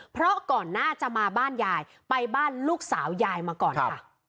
เพราะก่อนหน้าจะมาบ้านยายไปบ้านลูกสาวยายมาก่อนค่ะ